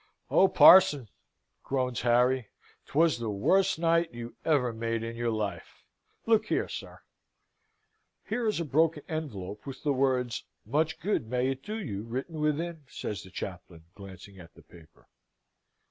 "Oh, Parson!" groans Harry, "'twas the worst night you ever made in your life! Look here, sir!" "Here is a broken envelope with the words, 'Much good may it do you,' written within," says the chaplain, glancing at the paper.